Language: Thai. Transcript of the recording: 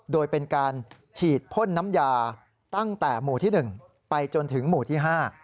โดยเป็นการฉีดพ่นน้ำยาตั้งแต่หมู่ที่๑ไปจนถึงหมู่ที่๕